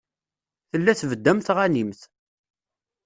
Tella tbedd am tɣanimt.